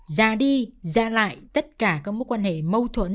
ra đi ra lại tất cả các mối quan hệ mâu thuẫn